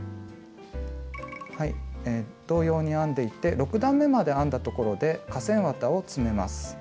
同様に編んでいって６段めまで編んだところで化繊綿を詰めます。